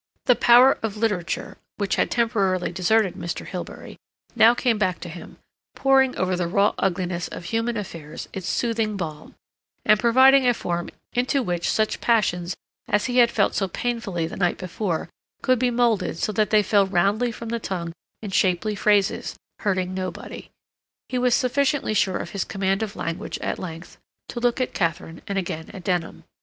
The power of literature, which had temporarily deserted Mr. Hilbery, now came back to him, pouring over the raw ugliness of human affairs its soothing balm, and providing a form into which such passions as he had felt so painfully the night before could be molded so that they fell roundly from the tongue in shapely phrases, hurting nobody. He was sufficiently sure of his command of language at length to look at Katharine and again at Denham.